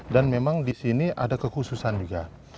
dan memang di sini ada kekhususan juga